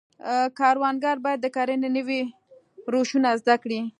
کروندګر باید د کرنې نوي روشونه زده کړي.